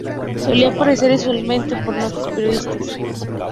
Solía aparecer usualmente en notas periodísticas.